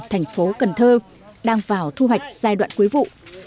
thành phố cần thơ đang vào thu hoạch giai đoạn cuối vụ